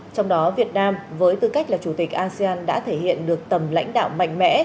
trong đó việt nam với tư cách là chủ tịch asean đã thể hiện được tầm lãnh đạo mạnh mẽ